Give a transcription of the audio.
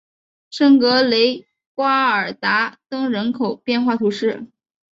圣格雷瓜尔达登人口变化图示